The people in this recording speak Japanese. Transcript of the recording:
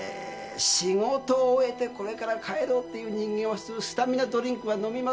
仕事を終えてこれから帰ろうっていう人間は普通スタミナドリンクは飲みません。